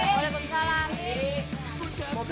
boleh kok misalnya